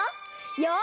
よし！